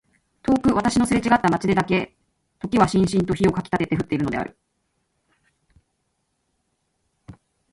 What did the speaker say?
遠く私のすれちがった街でだけ時はしんしんと火をかきたてて降っているのである。